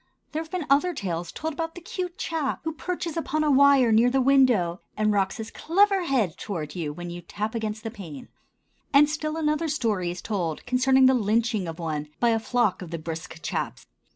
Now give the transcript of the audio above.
There have been other tales told about the cute chap who perches upon a wire near the window and rocks his clever head toward you when you tap against the pane; and still another story is told concerning the lynching of one by a flock of the brisk chaps.